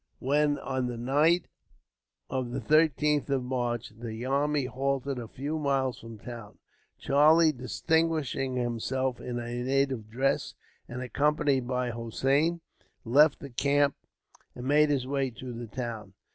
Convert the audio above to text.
When, on the night of the 13th of March, the army halted a few miles from the town, Charlie, disguising himself in a native dress and accompanied by Hossein, left the camp and made his way to the town.